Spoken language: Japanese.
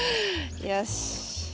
よし。